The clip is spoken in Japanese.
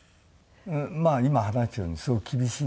まあ今話したようにすごく厳しい人で。